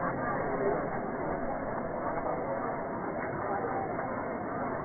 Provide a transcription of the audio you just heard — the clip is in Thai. ก็จะมีอันดับอันดับอันดับอันดับอันดับ